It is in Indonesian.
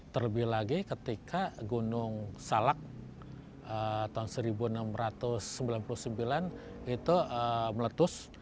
terlebih lagi ketika gunung salak tahun seribu enam ratus sembilan puluh sembilan itu meletus